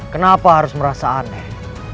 kenapa harus merasa aneh